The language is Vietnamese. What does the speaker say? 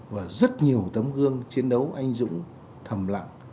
và rất nhiều tấm gương chiến đấu anh dũng thầm lặng